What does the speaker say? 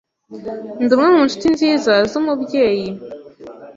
Ndi umwe mu nshuti nziza za Umubyeyi.